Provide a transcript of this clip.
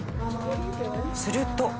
すると。